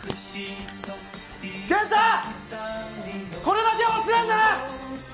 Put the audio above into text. けいた、これだけは忘れんな。